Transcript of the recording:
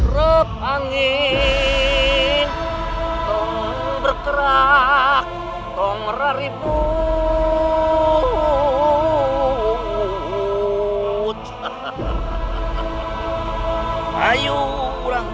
bukan untuk gunakan kekurangan